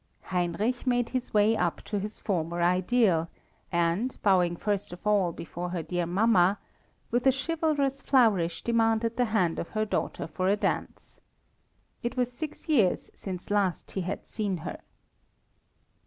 Heinrich made his way up to his former ideal, and, bowing first of all before her dear mamma, with a chivalrous flourish demanded the hand of her daughter for a dance. It was six years since last he had seen her.